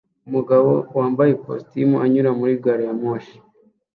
Umugabo wambaye ikositimu anyura muri gari ya moshi